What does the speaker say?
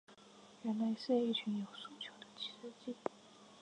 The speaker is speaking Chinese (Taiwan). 原來是一群有訴求的司機